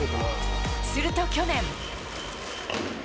すると去年。